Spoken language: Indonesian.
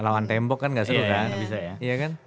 lawan tembok kan gak seru kan